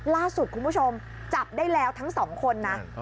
ล่าสุดคุณผู้ชมจับได้แล้วทั้งสองคนนะ